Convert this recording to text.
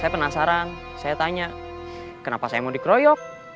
saya penasaran saya tanya kenapa saya mau dikeroyok